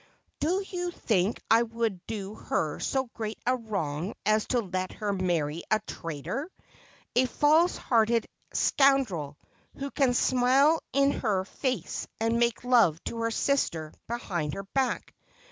' Do you think I would do her so great a wrong as to let her marry a traitor ? a false hearted scoundrel, who can smile in her face, and make love to her sister behind her back.